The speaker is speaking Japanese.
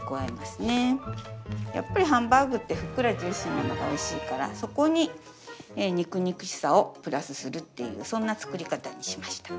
やっぱりハンバーグってふっくらジューシーなのがおいしいからそこに肉肉しさをプラスするっていうそんな作り方にしました。